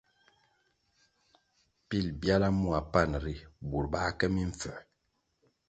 Pil byala mua panʼ ri, burʼ bā ke mimpfū.